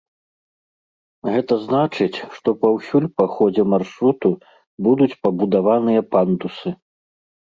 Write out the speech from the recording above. Гэта значыць, што паўсюль па ходзе маршруту будуць пабудаваныя пандусы.